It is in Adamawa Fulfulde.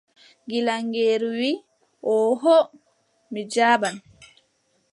Gilaŋeeru wii: ooho mi jaɓan.